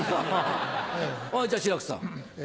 じゃあ志らくさん。